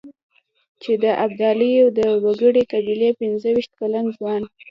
چې د ابدالیو د وړې قبيلې پنځه وېشت کلن ځوان.